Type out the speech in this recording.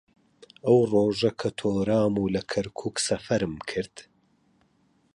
ئەو ڕۆژە کە تۆرام و لە کەرکووک سەفەرم کرد